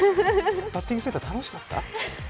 バッティングセンター楽しかった？